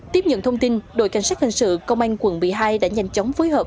tiếp nhận thông tin đội cảnh sát hình sự công an quận một mươi hai đã nhanh chóng phối hợp